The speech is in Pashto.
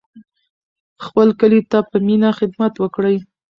خپل کلي ته په مینه خدمت وکړئ.